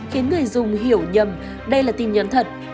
khiến người dùng hiểu nhầm đây là tin nhắn thật